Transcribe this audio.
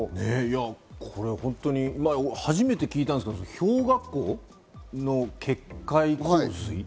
これ本当に初めて聞いたんですけど、氷河湖の決壊洪水？